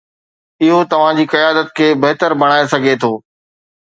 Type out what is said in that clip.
اهو توهان جي قيادت کي بهتر بڻائي سگهي ٿو.